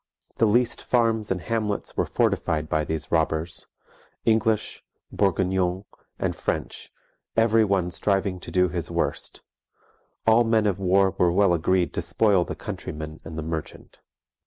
The least farmes and hamlets were fortified by these robbers, English, Bourguegnons, and French, every one striving to do his worst; all men of war were well agreed to spoile the countryman and merchant.